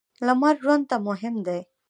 لمر ژوند ته مهم دی.